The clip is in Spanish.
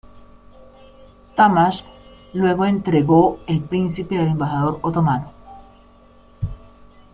Tahmasp luego entregó el príncipe al embajador otomano.